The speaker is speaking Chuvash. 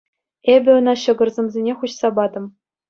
Эпӗ ӑна ҫӑкӑр сӑмсине хуҫса патӑм.